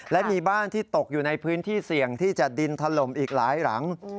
และมีบ้านที่ตกอยู่ในพื้นที่เสี่ยงที่จะดินถล่มอีกหลายหลัง